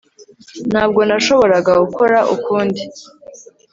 Ntabwo nashoboraga gukora ukundi